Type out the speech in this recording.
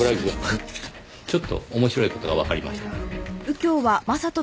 ちょっと面白い事がわかりました。